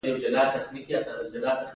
دا پرسونل ته د منظورۍ وروسته ورکول کیږي.